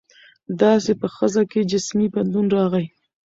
داسې په ښځه کې جسمي بدلون راغى.